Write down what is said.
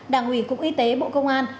đảng ủy cục y tế bộ công an